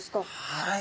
はい。